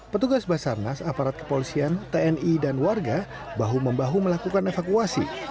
petugas basarnas aparat kepolisian tni dan warga bahu membahu melakukan evakuasi